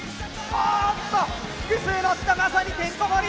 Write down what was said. おっと複数のったまさにてんこ盛り！